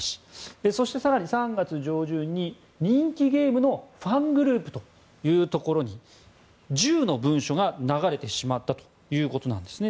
そして更に３月上旬に人気ゲームのファングループというところに１０の文書が流れてしまったということなんですね。